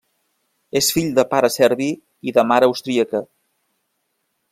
És fill de pare serbi i de mare austríaca.